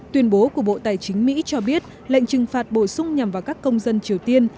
tuyên bố của bộ tài chính mỹ cho biết lệnh trừng phạt bổ sung nhằm vào các công dân triều tiên